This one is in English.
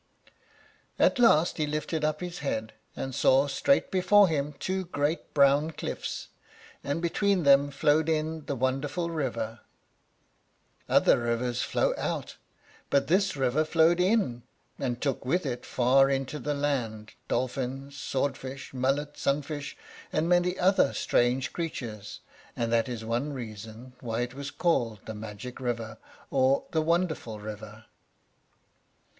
At last he lifted up his head, and saw straight before him two great brown cliffs, and between them flowed in the wonderful river. Other rivers flow out, but this river flowed in, and took with it far into the land dolphins, sword fish, mullet, sun fish, and many other strange creatures; and that is one reason why it was called the magic river, or the wonderful river.